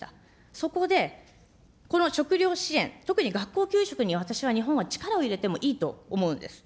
そこでこの食料支援、特に学校給食には私は日本は力を入れてもいいと思うんです。